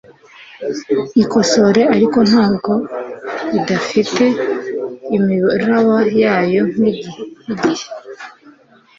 Ikosore ariko ntabwo idafite imiraba yayo nkigihe